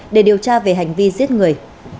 để điều tra về hành vi giết người